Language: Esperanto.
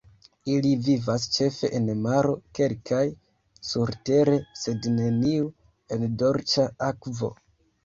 Ili vivas ĉefe en maro, kelkaj surtere, sed neniu en dolĉa akvo.